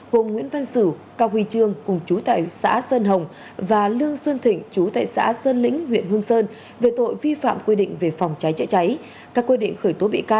gồm nguyễn văn sử cao huy trương cùng chú tại xã sơn hồng và lương xuân thịnh chú tại xã sơn lĩnh huyện hương sơn về tội vi phạm quy định về phòng cháy cháy cháy